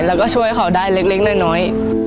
เราก็ช่วยให้เขาได้เล็กน้อย